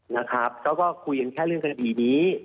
นะครับเขาก็คุยกันแค่เรื่องคดีนี้